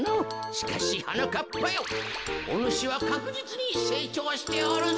しかしはなかっぱよおぬしはかくじつにせいちょうしておるぞ。